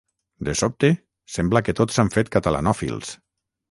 De sobte, sembla que tots s'han fet catalanòfils.